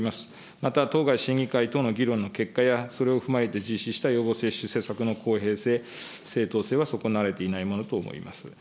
また、当該審議会等の議論の結果やそれを踏まえて実施した予防政策の公平性、正当性は損なわれていないものと思います。